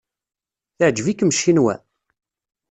Teɛjeb-ikem Ccinwa?